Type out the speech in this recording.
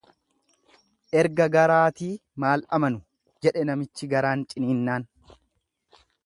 Erga garaatii maal amanu, jedhe namichi garaan ciniinnaan.